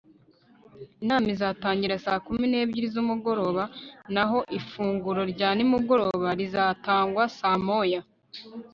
inama izatangira saa kumi n'ebyiri z'umugoroba naho ifunguro rya nimugoroba rizatangwa saa moya